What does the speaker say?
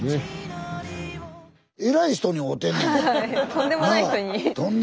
とんでもない人に。